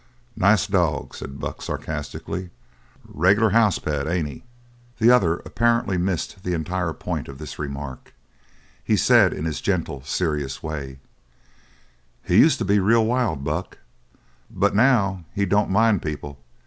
"Nice dog!" said Buck sarcastically. "Regular house pet, ain't he?" The other apparently missed the entire point of this remark. He said in his gentle, serious way: "He used to be real wild, Buck. But now he don't mind people.